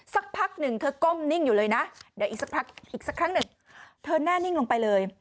สักพักหนึ่งเธอก้มนิ่งอยู่เลยนะเดี๋ยวอีกสักอีกสักครั้งหนึ่งเธอแน่นิ่งลงไปเลย